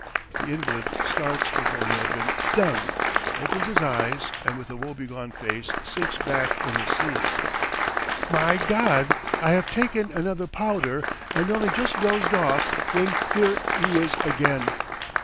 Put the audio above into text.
The invalid starts as though he had been stung, opens his eyes, and with a woebegone face sinks back in his seat. "My God! I have taken another powder and only just dozed off when here he is again.